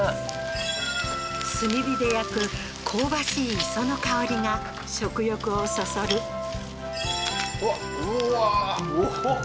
炭火で焼く香ばしい磯の香りが食欲をそそるうわうーわーははははっ